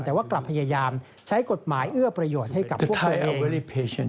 แต่ว่ากลับพยายามใช้กฎหมายเอื้อประโยชน์ให้กับ